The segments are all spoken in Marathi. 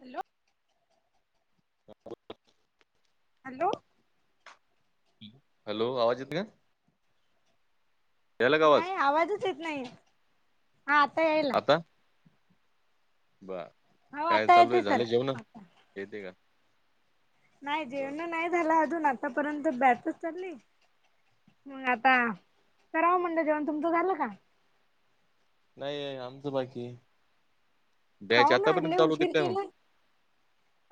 हॅलो.... हा बोला [inaudible] हॅलो... हॅलो, आवाज येत का? यायला का आवाज नाही आवाजच येत नाहीये, हा आता यायल बरं, हो काय आता चालू ये? येते सर झालं जेवणं? आता येते का? नाही बर जेवणं नाही झाला अजून आतापर्यंत बॅच चालली. मग आता करावं म्हणलं जेवण, तुमचं झालं का? नाही, आमचं बाकी ये, बॅच काऊन आज आतापर्यंत लय चालू होती उशीर काय मग? केला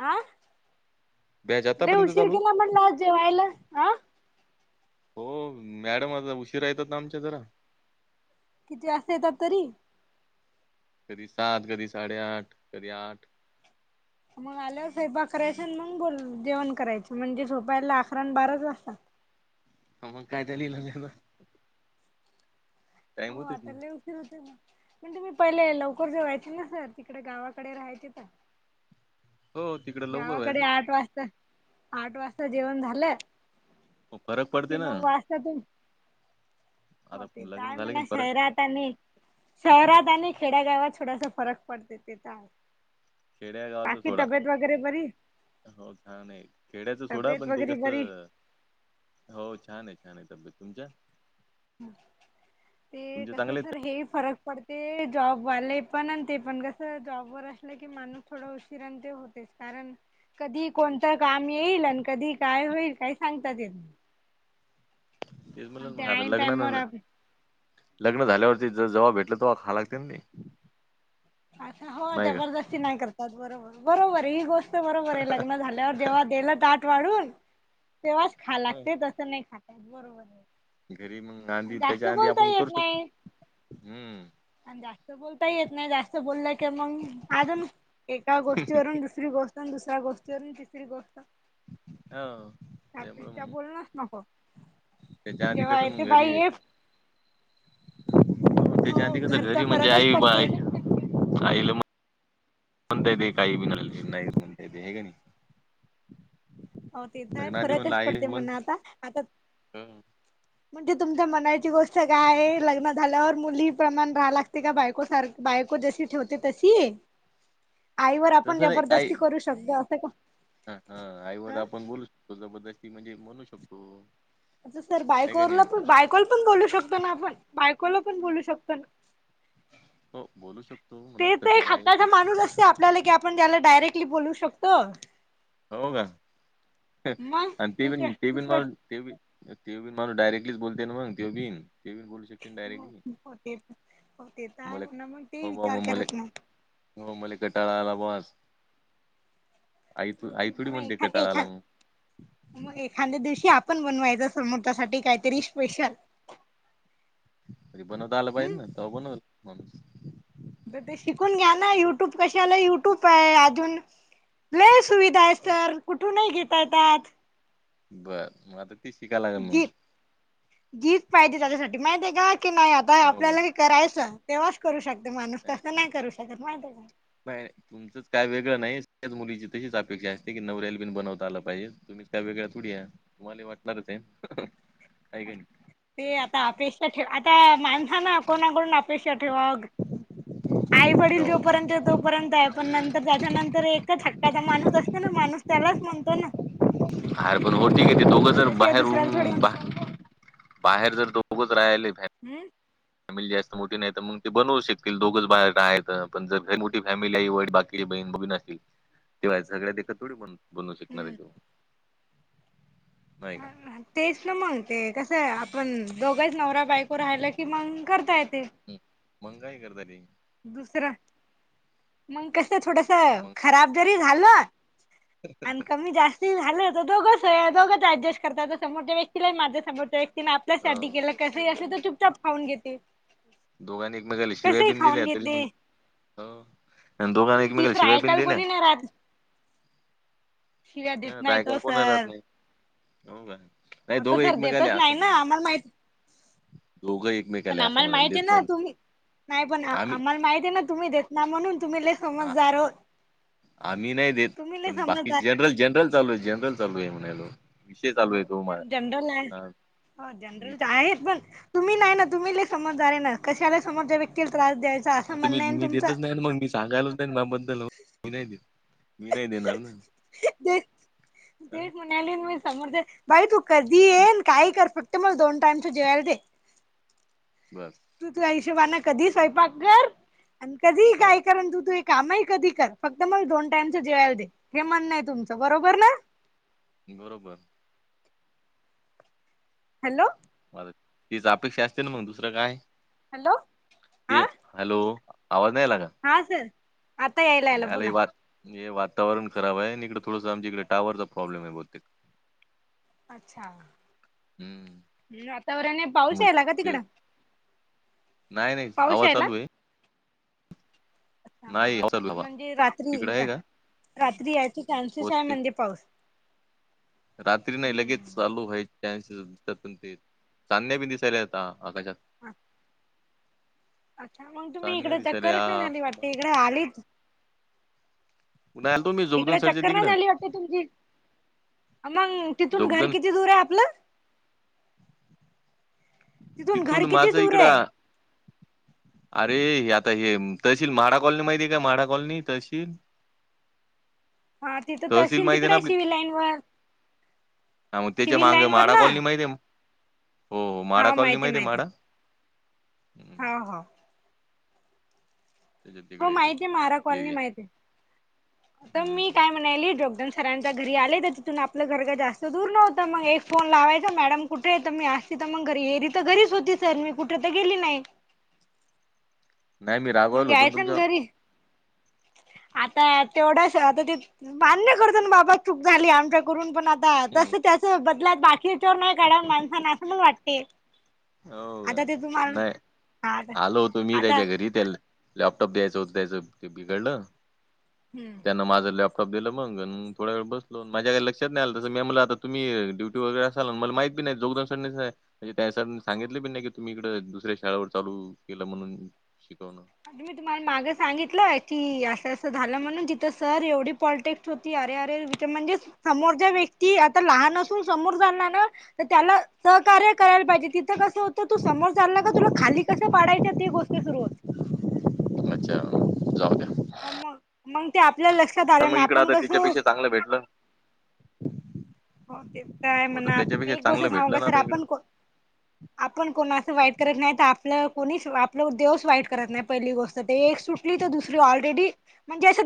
आ बॅच लय आतापर्यंत उशीर चालू होती? केला म्हटलं आज जेवायला? अं हो, मॅडम आता उशीरा येतात ना आमच्या जरा. किती वाजता येतात तरी? कधी सात, कधी साडेआठ, कधी आठ. मग आल्यावर स्वयंपाक करायचा आणि मग जेवण करायचं. म्हणजे झोपायला अकरा आणि बाराच वाजता. हं मग काय ते [inaudible] हो आता ना लय उ [inaudible] म् तुमी पहिले लवकर जेवायचे ना सर? तिकडे गावाकडे राहायचे ते [inaudible] हो तिकडे लवकर गावाकडे व्हायचं आठ वाजता, आठ वाजता जेवण झालं मग फरक पडते कि ना नऊ वाजता तूम आता होते लग्न काय झालं की म्हणं फरक शहरात आणि शहरात आणि खेड्यागावात थोडासा फरक पडतय ते तर आहेच. खेड्या गावाचा सोडा बरी हो छान आहे. खेड्याचा सोडा तब्येत पण ते वगैरे कस बरी अ हो छान आहे छान आहे तब्येत तुमच्या? ते तुमचे कसं चांगले आहेत सर का? हे फरक पडते जॉब वाले पण आणि ते पण कसं जॉब वर असले कि माणूस थोडा उशीरां ते होतेच कारण कधी कोणतं काम येईल आणि कधी काय होईल काय सांगताच येत नाय तेच म्हणला मग आता ऐन लग्ना टाइमावर न. आप लग्न झाल्यावरती ज जव्हा भेटलं तेव्हा खा लागते ना ते. अच्छा हो नाही का? जबरदस्ती नाही करतात बरोबर बरोबर आहे ही गोष्ट. बरोबर आहे. लग्न झाल्यावर जेव्हा दिलं ताट वाढून तेव्हाच खायला हं. लागते. तर नाही खाता येत बरोबर आहे. घरी मग आधी आणि जास्त त्याच्या आधी बोलता आपण येत करू शकतो नाही हम्म आणि जास्त बोलताही येत नाही जास्त बोललं की मग अजून एका गोष्टीवरून दुस दुसरी गोष्ट आणि दुसऱ्या गोष्टी आणि तिसरी गोष्ट. ह त्यापेक्षा बोलनच नको त्याच्या आधी जेव्हा कसं मग येते घरी बाई ये त्याच्या हो अधि कसं घरचा घरी म्हणजे फरकच आई बाई पडते आईला म्हणता येते काही बी [unintelligible] हाय की नाई हो ते तर हाय लग्ना आधी म्हणलं फरकच आई पडते म्हण म्हणा आता आता हं म्हणजे तुमच्या म्हणायची गोष्ट काय आहे लग्न झाल्यावर मुली प्रमाण राहा लागते का बायकोसारख. बायको जशी ठेवते तशी [inaudible] आईवर आपण तसं जबरदस्ती करू शकतो असं का. हा हा आईवर ह आपण बोलू शकतो जबरदस्ती म्हणजे म्हणू शकतो तसं तर आहे का नाही? बायकोवरन पण बायकोला पण बोलू शकतो ना आपण बायकोला पण बोलू शकतो ना.. हो बोलू शकतो. म्हणा ते तर तसं एक काही हक्काचा नाही. माणूस असते आपल्याला की आपण त्याला डायरेक्टली बोलू शकतो. हो का मग आणि ती पण दुसरं ती पण दुसरं मग तेव बि तेव बीन माणूस डायरेक्टलीच बोलते ना मग ते बिन ते बी बोल हो ते हो ते तर आहे म्हणा मग ते विचार करत नाय. होऊ मला कटाळाला आला बुवा आज. हो ते आई थोडी म्हणते कटाळा आला पण [unintelligible] मग मग एखाद्या दिवशी आपण बनवायचं समोरच्यासाठी काहीतरी स्पेशल. बनवता आलं पाहिजे हम् ना तवा बनवण माणूस तर ते शिकून घ्या ना युट्यूब कशाला युट्यूब आहे अजून लय सुविधा आहे हो. सर कुठूनही घेता येतात. बर मग आता तेच शिकाय लागल मग. जिद पाहिजे त्याच्यासाठी माहिती का की नाही आता हो का आपल्याला हे करायचं. तेव्हाच करू शकते माणूस तसं नाही करू शकत माहिती आहे का? नाही नाही. तुमच काय वेगळं नाही त्याच मुलीची तशीच अपेक्षा असते की नवरऱ्याल बीन बनवता आला पाहिजे तुम्हीच काय वेगळ्या थोडी आहे. मले वाटणारच आहे काही काय नाही ते आता अपेक्षा ठेवा आता माणसाना कोणाकडून अपेक्षा ठेवा. आई वडील हो जोपर्यंत तोपर्यंत आहे पण नंतर त्याच्यानंतर एकच ह त्याचा माणूस असतो ना माणूस त्यालाच म्हणतो ना. अरे पण मूर्ती किती दोघं जण जर त्याच्याशिवाय बाहेर दुसऱ्याला थोडी करून बाहेर जर दोघच राहिले. हम्म. फॅमिली जास्त मोठी नाही तर मग ते बनवू शकतील दोघच बा आहेत पण जर मोठी फॅमिली आहे वट बाकी. बहीण बीतील तेव्हा झगड्या देख थोडी बन. बनू शिकणारी हम्म देऊ नाही का तेच ना मग ते कसं आहे आपण दोघच नवरा बायको राहिला की मग करता येते मंगंगाई करता ती. दुसरं मंग कस थोडस मग खराब जरी झाल. आणि कमी जास्त ते झालं हो दोघच दोघंच ऍडजस्ट करतात समोरच्या व्यक्तीला माझ्या समोरच्या व्यक्तीने आपल्यासाठी हो केलं. कसई असलं तर चुपचप खाऊन घेते. दोघांनि एकमेकांना शिवायी कसंही बिन ल्या खाऊन तरी घेते दोघांना एकमेकला तिसरं शिवाय बि ऐकायला दिल्या. कोणी नाही राहत. शिव्या ह देत नाही तो बायकाल कोण राहात सर नाही. हो का नाही आता दोघं सर एकमेक आले देतच अस नाही ना आम्हाला माहित दोघं एकमेक पण आले असं आम्हाला म्हणाल माहिती आहे देत ना नाही तुम्ही नाही पण आम्ही आम्हाले माहिती ना तुम्ही देत नाही म्हण तूम्ही हा आम्ही नाही देत तुम्ही लय पण बाकी समजदार जनरल जनरल चालूय जनरल चालूय म्हणाल हो जनरल आहे हो मी जनरल आहे पण. तुम्ही नाही ना तुम्ही समजदार आहे ना कशाला समोरच्या व्यक्तीला त्रास देईचा आता मी मी देतच नाही मग मी सांगायलाच नाही म बद्दल मी नाही देत. मी नाही देणार ना ते हा? तेच म्हणाली मी समोर. बाई तू कधी हं, येन काही कर फक्त मग दोन टाइम च जेवायला दे. बर. तू तू हिशोबाने कधी स्वयंपाक कर आणि कधी काय हो करण तू तू काम ही कधी कर फक्त मला दोन टाईमच जेवायला दे हे म्हणणंय तुमचं बरोबर ना? बरोबर. हॅलो म तीच अपेक्षा असते ना मग दुसरं काय हॅलो ते आ हॅलो आवाज नाहीला का? हा सर आता यायला यायला आला बोला हे वातावरण खराब आहे इकडें थोडसं आमच्या इकडे टावरचा प्रॉब्लेम आहे बहुतेक. अच्छा हम्म वातावरण आहे पाऊस मग याला का ते तिकडं? नाही नाही पाऊस हवा यायला चालू आहे. हा नाही हवा चालू आहे झालं म्हणजे रात्री तिकडे आहे का रात्री याचे चान्सेस आहे बहुतेक म्हणजे पाऊस? रात्री नाही लगेच हम्म चालू व्हाय नस दिसतात ते चांण्या बि दिसायला आता आकाशात. हच्. अच्छा मग तुम्ही चांदण्या इकडे दिसायला चक्करच नाही या- झाली आभाळ वाटते इकडे आलीच. उल तु मही इकडे चक्कर ना झाली वाटते तुमची मग तिथून घर जोगदन किती दूर आहे आपलं घर तिथून किती माझ दूर इकड. आहे अरे आता हे तशील माढा कॉलनी माहिती आहे काय माढा कॉलनी तशील. हा तिथं तर तहसील असेल माहिती आहे ना तिकडे आपली सिव लाईन वर. हा मग त्याच्या सिव्हल माग लाईन वर माडा ना कॉलनी माहिित आहे हो माडा हा कॉलनी माहिित आहे म्हडा.? होा हो. त्याच्या हो तिकडे येते माहित ते आहे मारा कॉलनी एरिया माहती आहे आता हम्म मी हम्म. काय म्हणाली जगद सरांच्या घरी आले तर तिथून आपलं घर जास्त दूर नव्हतं. मग एक फोन लावायचा. मॅडम कुठे तर मी आती तर मग घ येरी तर घरीच होती सर मी कुठे तर गेली नाही. नाही मी मगे रागवायला होतो यायच ना तुमच्यावर घरी. आता तेवढंच आता ते मान्य करत ना बाबा चूक झाली आमच्या करून पण आता हम्म. तस त्याच बदलात बाकी विच्यावर नाही काढ माणसाना असं मण वाटते. हो का आता ते तुम्हाला नाही हा आता आलो होतो मी आता त्याच्या घरी त्या लॅपटॉप द्यायचं होतं त्यायचं ते बिघडलं हम्म त्यांना माझं लॅपटॉप स दिलं मगण थोड वळ बलो माझ्या काही लक्षात नाही आलं. तस मी मला आ तुम्ही ड्यटी वगैरे असणार मला माहीिती नाही जोग स. सांगितले पी नाही की तुम्ही इकडं दुसऱ्या शाळेवर चालू केलं म्हणून शिकवणं. आ मी तुम्हाला मागे सांगितलंय की असं असं झालं. म्हणून तिथं सर एवढी पॉलिटेक् होती अरे अरे म्हणजे समोरच्या व्यक्ती आता लहान असून समोर झाला ना. तर त्याला सहकार्य करायला पाहिजे. तिथं कसं होतं तू समोरचाल का तुला खाली कसं पाडायं तेी गोष्ट सुरू होत. अच्छा जाऊ द्या. मग मग ते आपल्या लक्ष तर मग इकड आता त्याच्यापेक्षा चांगलं भेटल. हो ते तर आहे म्हणा एक गोष्ट सांगू का सर आपण कोण ह. आपण कोणा असं वाईट करत नाही तर आपलं कोणी आपलं देवस वाईट करत नाही पहिली गोष्ट ते एक सुट दुसरी ऑलरेडी म्हणजे अस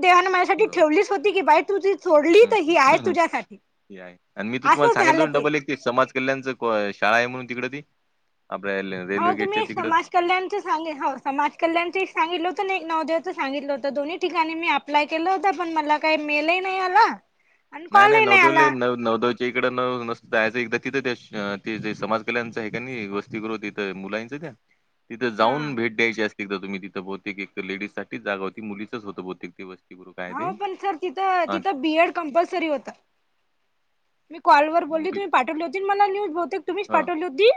बरोबर. ठेवलीच होती की बाई तू ती सोडली तर हम्म ही आहे हम्म तुझ्यासाठी आणि मी तुमला असं झालं सांगललं ते डबल एक समाज कल्याणच शाळा आहे म्हणून तिकड ती आपल्या हो रेल्वे गेटच्या तुम्हीस ना तिकडं मा. कल्याणचं सांग हो समाज कल्याणं सांगितलं होतं. नवदेवचं सांगितलं होतं दोन्हीिकाणी मी अप्लाय केलं होता पण मला काही मेलही नाही आला. आणि नाही नाही कॉलही आला नवदुल्ली न नवदवच्या इकडं न नस एकदा तिथं त्याे समाज कल्याणचं आहेनी वस्ती कर तर मुलांच त्या तिथं जाऊन हा भेट द्यायची असते तर तुम्ही तिथं बहते एक तर डीज साच जागा होती मुलीच होत बहुतेक ते बस होा पण सर तिथं तिथं बीएड कंपल्सरी होता. मी कॉल वर मग बोलली बी तुम्ही पाठवली होती मला न्यूज बते तुम्हीच ह पाठवली होती.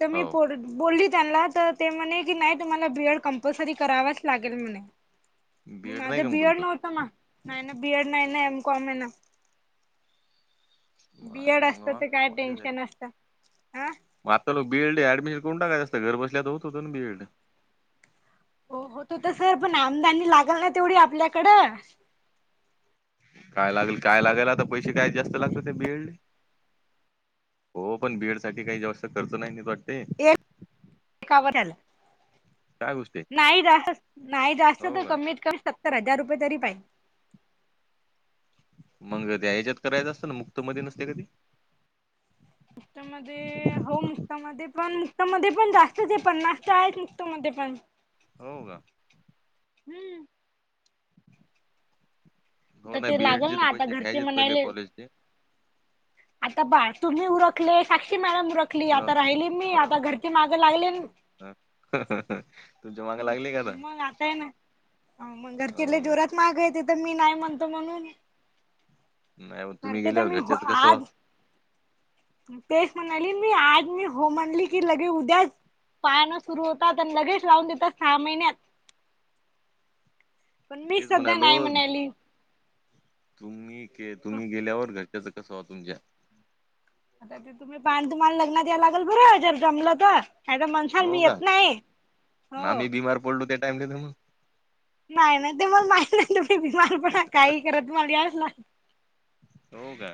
तर हो मीोल बोलली त्यांना तर. ते म्हणे की नाही तुम्हाला बीएड कंपल्सरी करावाच लागेल म्हणे. नाही माझं का मग बीएड तुमचं नव्हतं म. नाही ना बीएड नाही ना एम कॉम आहे ना. बिऐड मायला, असत मग तर काय टेन्शन असत. म आता लों बीएड ऍडमिशन करून टाकायचं असत घर बसल्या होत होतं ना बीएड. हो होत होत तर सर पण आमदानी लागल ना तेवढी आपल्याकडं. काय लागल काय लागायला आता पैसे काय जास्त लागत ते बीऐडले. हो पण बीएड साठी काही जास्त खर्च नाही ना येत वाटते. एक एक आवडल [unintelligible] काय गोष्ट आहे नाही जास्त नाही जास्त हो तर का कमीत कमी सत्तर हजार रुपये तरी पाहिजे. मग त्या याच्यात करायचं असतं ना मुक्त मध्ये नसते का ते. उतमध्येध्ये [unintelligible] हो मुक्ता मध्ये पण मुक्त मध्ये पण जास्तच आहे पन्नास त आहेच मुक्त मध्ये पण हो का हम्म हो तर नाही ते लागल बीएडचे तर ना आता पैसे घरचे घ्यायचेत पहिले म्हणायले कॉलेजचे आता बा तुम्ही उरखले साक्षी मॅडम उरखली हो आता राहिली मी आता घरचे मागं लागले हा हा ह मागे लागले का आता मग आताय ना मग घरचे हो लय जोरात माग आहे तिथ मी नाही म्हणतो म्हणून नाही मग तुम्ही गेल्यावर घरच्याच कसं व्हावं? [unintelligible] तेच म्हणाली मी आज मी हो म्हटली की लगे उद्याच पाहा ना सुरू होतात आणि लगेच लावून देतात सहा महिन्यात पण मी तेच सध्या म्हणालो नाही म्हणाली. तुम्ही के तुम्ही गेल्यावर घरच्याच कस ओ तुमच्या आ ते तुम्ही पान तुमान लग्नात या लागेल बरं जर जमलं तर, नाही तर म्हणचाल हो मी का येत नाही, आणि हो. आम्ही बीमार पडलो त्या टाईम ले मग, नाही ना ते मला माहित नाही बिमार पडा काही करा तुम्हाला यायलाच लागत. हो का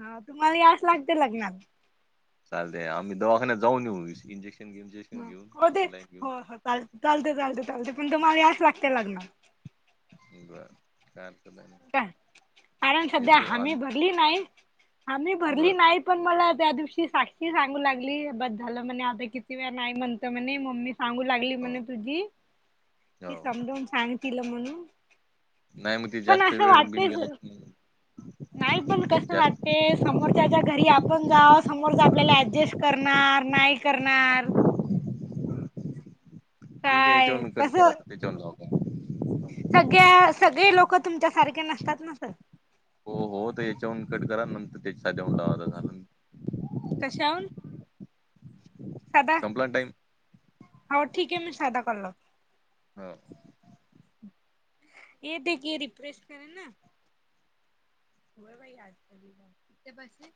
हा तुम्हाला याच लागतय लग्नात चालतय, आम्ही दवाखान्या जाऊन येऊ इंजेक्शन घेऊ म्हणजे मग तेच हो हो चाल चालते चालते चालते पण तुम्हाला याच लागते लग्नात. बर काय अर्थ नाही काय कारण सध्या येतो, हमी आज भरली नाही आम्ही भरली नाही. पण मला त्या दिवशी साक्षी सांगू लागली बस झालं म्हणे आता किती वेळ नाही म्हणत म्हणे मम्मी सांगू लागली. हो म्हणत होती हो कीं समजून सांग तिला म्हणून, नाही मग ते पण जास्त असं वेळ बिन गेला वाटतेच कि नाही पण कसं वाटतेस. समोरच्याच्या घरी आपण जाव समोरच आपल्याला ऍडजस्ट करणार नाही करणार. ठीक आहे काय याच्यावरून कट करा, कसं आता, त्याच्यावरून लावतो. सगळ्या सगळे लोक तुमच्या सारखे नसतात, ना सर हो हो तर याच्याहून कट करा नंतर त्याच्यासाठी मग लावा मग झालं. कशाहून, सादा, संपला टाईम हो ठीक आहे मी सादा कॉल लावते. होा ये ते की रिप्रेस कर ना. होय बाई [unintelligible]